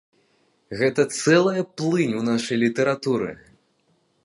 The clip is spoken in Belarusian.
Гэта цэлая плынь у нашай літаратуры.